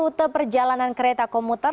rute perjalanan kereta komuter